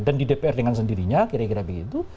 dan di dpr dengan sendirinya kira kira begitu